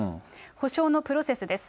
補償のプロセスです。